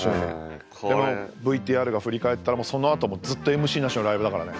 でもうＶＴＲが振り返ったらそのあとずっとＭＣなしのライブだからね。